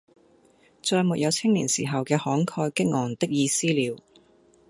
再沒有青年時候的慷慨激昂的意思了。